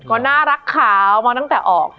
มันทำให้ชีวิตผู้มันไปไม่รอด